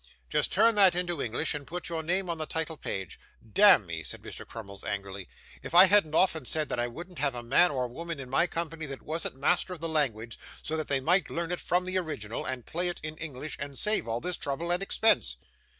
Just turn that into English, and put your name on the title page. Damn me,' said Mr. Crummles, angrily, 'if I haven't often said that I wouldn't have a man or woman in my company that wasn't master of the language, so that they might learn it from the original, and play it in English, and save all this trouble and expense.